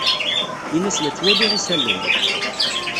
Ini-as la ttwaliɣ isalan.